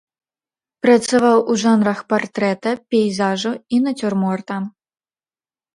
Працаваў у жанрах партрэта, пейзажу і нацюрморта.